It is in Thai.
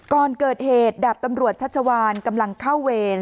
ก่อนเกิดเหตุดาบตำรวจชัชวานกำลังเข้าเวร